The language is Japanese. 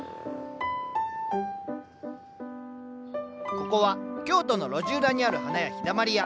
ここは京都の路地裏にある花屋「陽だまり屋」。